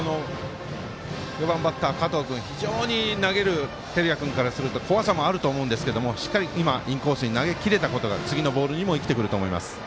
４番バッター加藤君、非常に投げる照屋君からすると怖さもあると思うんですけどインコースに投げきれたことが次のボールにも生きてくると思います。